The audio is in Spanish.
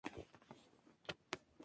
Actualmente es un bar y casa de comidas.